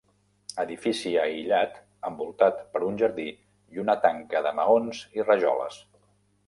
Edifici aïllat envoltat per un jardí i una tanca de maons i rajoles.